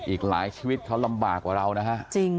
อีกหลายชีวิตเขาลำบากกว่าเรานะฮะ